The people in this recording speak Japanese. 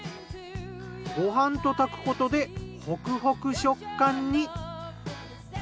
ご飯と炊くことでホクホク食感に！